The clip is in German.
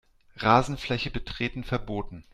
Rasenfläche betreten verboten.